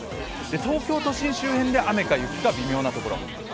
東京都心周辺で雨か雪か微妙なところ。